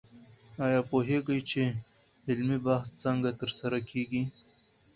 آیا پوهېږئ چې علمي بحث څنګه ترسره کېږي؟